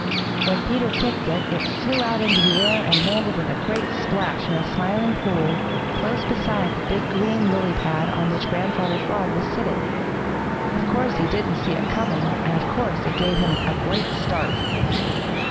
When Peter kicked it it flew out into the air and landed with a great splash in the Smiling Pool, close beside the big green lily pad on which Grandfather Frog was sitting. Of course he didn't see it coming, and of course it gave him a great start.